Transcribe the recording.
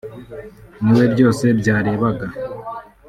niwe byose byarebaga